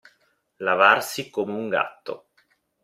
Lavarsi come un gatto.